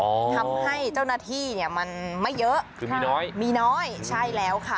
ทำให้เจ้าหน้าที่เนี่ยมันไม่เยอะคือมีน้อยมีน้อยใช่แล้วค่ะ